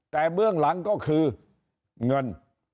แต่เบื้องหลังก็คือเงิน